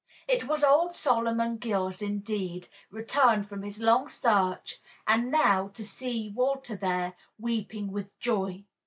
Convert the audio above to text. It was old Solomon Gills indeed, returned from his long search, and now, to see Walter there, weeping with joy.